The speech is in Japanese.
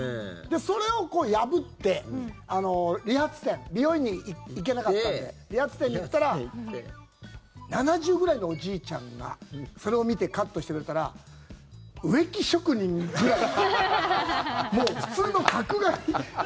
それを破って、理髪店美容院に行けなかったので理髪店に行ったら７０ぐらいのおじいちゃんがそれを見てカットしてくれたら植木職人ぐらいもう、普通の角刈り。